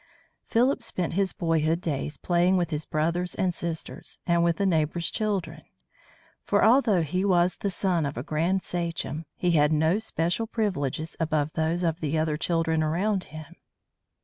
Philip spent his boyhood days playing with his brothers and sisters, and with the neighbors' children; for although he was the son of a grand sachem, he had no special privileges above those of the other children around him.